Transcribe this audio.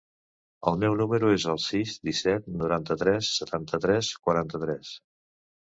El meu número es el sis, disset, noranta-tres, setanta-tres, quaranta-tres.